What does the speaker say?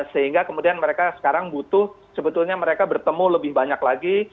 sehingga kemudian mereka sekarang butuh sebetulnya mereka bertemu lebih banyak lagi